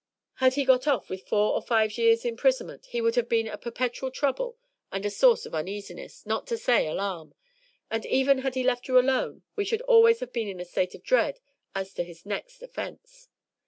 Had he got off with four or five years' imprisonment, he would have been a perpetual trouble and a source of uneasiness, not to say alarm; and even had he left you alone we should always have been in a state of dread as to his next offense.